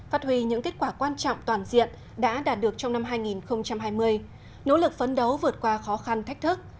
phát huy những kết quả quan trọng toàn diện đã đạt được trong năm hai nghìn hai mươi nỗ lực phấn đấu vượt qua khó khăn thách thức